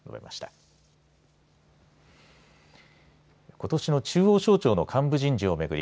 ことしの中央省庁の幹部人事を巡り